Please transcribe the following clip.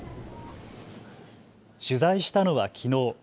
取材したのはきのう。